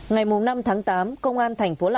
ngày năm tháng tám công an thành phố lạng sơn